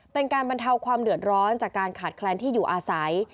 เป็นการบรรเทาความเดือดร้อนจากการขาดแคลนที่อยู่อาศัย